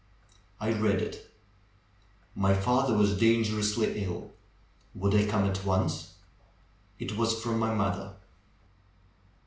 I read it. My father was dangerously ill; would I come at once? It was from my mother.